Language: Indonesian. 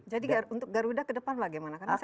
jadi untuk garuda ke depan bagaimana